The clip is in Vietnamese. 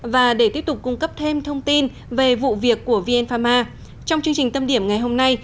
và để tiếp tục cung cấp thêm thông tin về vụ việc của vn pharma trong chương trình tâm điểm ngày hôm nay